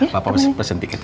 papa pesen tiket ya